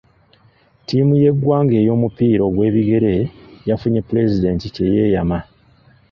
Ttiimu y'eggwanga ey'omupiira ogw'ebigere yafunye pulezidenti kye yeeyama.